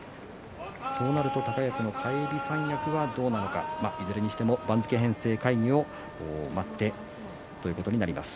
そうなると高安の返り三役はどうなのか、いずれにしても番付編成会議を待ってということになります。